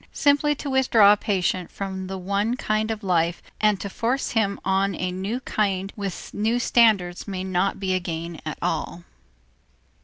Simply to withdraw a patient from the one kind of life and to force on him a new kind with new standards may not be a gain at all.